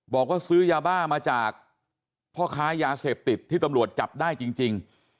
บอกว่าซื้อยาบ้ามาจากพ่อค้ายาเสพติดที่ตำรวจจับได้จริง